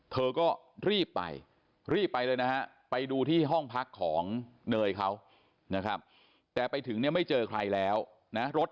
เธอก็รีบไปรีบไปเลยนะฮะไปดูที่ห้องพักของเนยเขานะครับแต่ไปถึงเนี่ยไม่เจอใครแล้วนะรถ